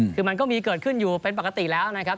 คือมันก็มีเกิดขึ้นอยู่เป็นปกติแล้วนะครับ